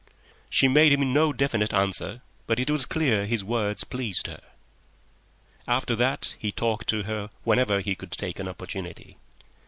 She made him no definite answer, but it was clear his words pleased her. After that he talked to her whenever he could take an opportunity.